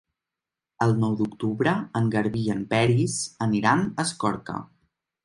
El nou d'octubre en Garbí i en Peris aniran a Escorca.